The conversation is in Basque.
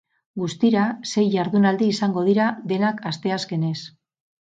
Guztira, sei jardunaldi izango dira, denak asteazkenez.